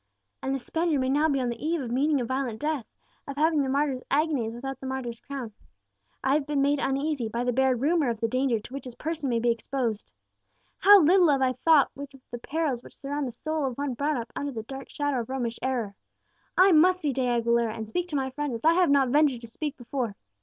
"And the Spaniard may now be on the eve of meeting a violent death of having the martyr's agonies without the martyr's crown! I have been made uneasy by the bare rumour of the danger to which his person may be exposed. How little have I thought of the perils which surround the soul of one brought up under the dark shadow of Romish error! I must see De Aguilera, and speak to my friend as I have not ventured to speak before.